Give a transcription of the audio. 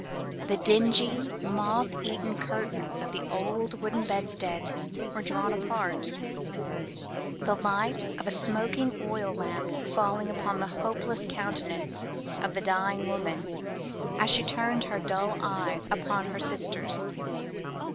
The dingy moth eaten curtains of the old wooden bedstead were drawn apart, the light of a smoking oil lamp falling upon the hopeless countenance of the dying woman as she turned her dull eyes upon her sisters.